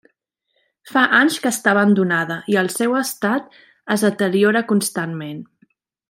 Fa anys que està abandonada, i el seu estat es deteriora constantment.